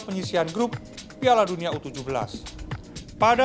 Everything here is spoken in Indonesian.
timnas indonesia akan bermain di glorabung tomo selama babak